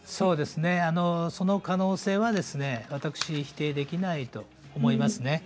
その可能性は私は否定できないと思いますね。